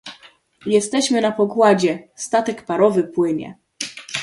"Jesteśmy na pokładzie: statek parowy płynie."